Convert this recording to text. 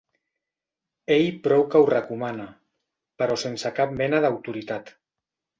Ell prou que ho recomana, però sense cap mena d'autoritat.